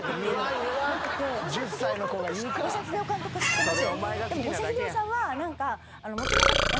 五社英雄監督知ってます。